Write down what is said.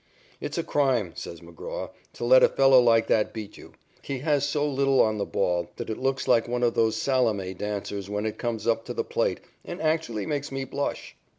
"It's a crime," says McGraw, "to let a fellow like that beat you. Why, he has so little on the ball that it looks like one of those Salome dancers when it comes up to the plate, and actually makes me blush."